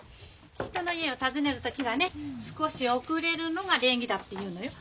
人の家を訪ねる時はね少し遅れるのが礼儀だって言うのよ。